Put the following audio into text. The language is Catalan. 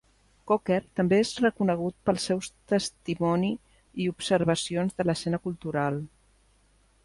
Cocker també és reconegut pel seus testimoni i observacions de l'escena cultural.